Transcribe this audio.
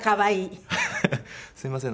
すいません。